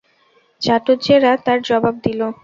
চাটুজ্যেরা তার জবাব দিলে।